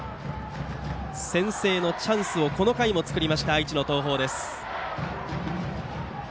先制のチャンスをこの回も作りました愛知の東邦です。